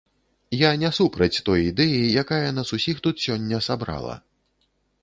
Я не супраць той ідэі, якая нас усіх тут сёння сабрала.